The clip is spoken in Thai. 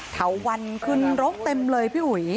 เถาวันขึ้นรกเต็มเลยพี่อุ๋ย